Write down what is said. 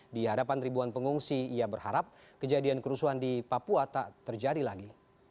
di hadapan ribuan pengungsi ia berharap kejadian kerusuhan di papua tak terjadi lagi